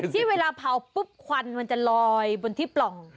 ที่เวลาเผาปุ๊บควันมันจะลอยบนที่ปล่อง